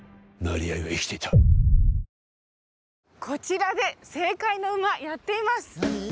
こちらで正解のｕｍａやっています